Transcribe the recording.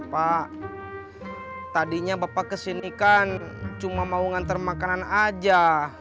pak tadinya bapak kesini kan cuma mau ngantar makanan aja